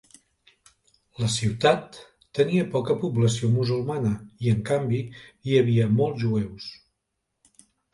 La ciutat tenia poca població musulmana i en canvi hi havia molts jueus.